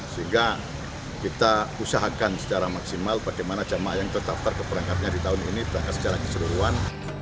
sehingga kita usahakan secara maksimal bagaimana jamaah yang terdaftar keberangkatannya di tahun ini berangkat secara keseluruhan